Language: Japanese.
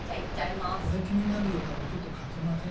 これ気になるようだとちょっと勝てませんよ。